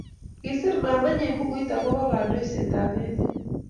kiser maamanyi bukuit akobo kandoiset ab emet